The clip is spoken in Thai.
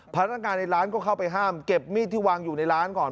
พนักงานในร้านก็เข้าไปห้ามเก็บมีดที่วางอยู่ในร้านก่อน